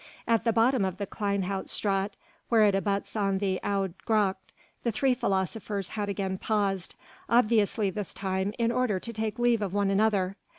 At the bottom of the Kleine Hout Straat, where it abuts on the Oude Gracht, the three philosophers had again paused, obviously this time in order to take leave of one another.